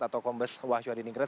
atau kombes wahyu hadiningrat